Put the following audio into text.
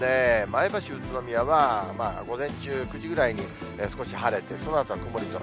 前橋、宇都宮は午前中、９時ぐらいに少し晴れて、そのあとは曇り空。